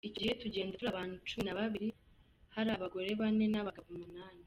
Icyo gihe tugenda turi abantu cumi na babiri, hari abagore bane n’abagabo umunani.